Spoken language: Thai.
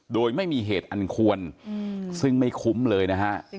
โดยไม่มีเหตุอันควรซึ่งไม่คุ้มเลยนะฮะ